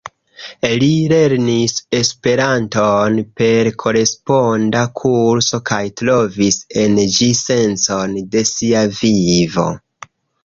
Li lernis Esperanton per koresponda kurso kaj trovis en ĝi sencon de sia vivo.